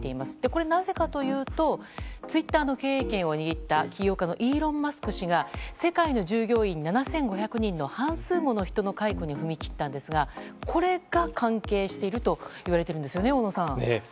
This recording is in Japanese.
これはなぜかというとツイッターの経営権を握った起業家のイーロン・マスク氏が世界の従業員７５００人の半数もの人の解雇に踏み切ったんですがこれが関係しているといわれているんですよね小野さん。